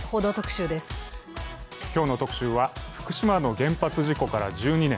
今日の特集は福島の原発事故から１２年。